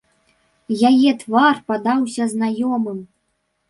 Яе твар падаўся знаёмым.